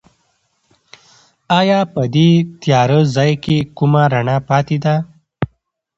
ایا په دې تیاره ځای کې کومه رڼا پاتې ده؟